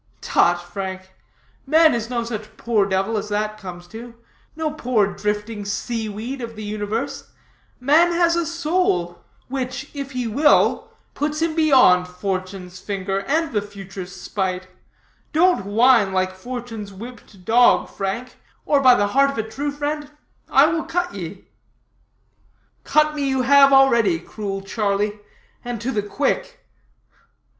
"Tut! Frank. Man is no such poor devil as that comes to no poor drifting sea weed of the universe. Man has a soul; which, if he will, puts him beyond fortune's finger and the future's spite. Don't whine like fortune's whipped dog, Frank, or by the heart of a true friend, I will cut ye." "Cut me you have already, cruel Charlie, and to the quick.